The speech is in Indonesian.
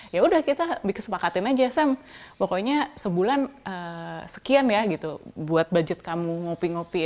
yaudah kita bikesepakatin aja sam pokoknya sebulan sekian ya gitu buat budget kamu ngopi ngopi